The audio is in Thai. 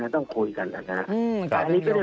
ต้องคุยกัน